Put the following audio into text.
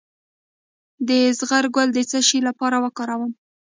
د زغر ګل د څه لپاره وکاروم؟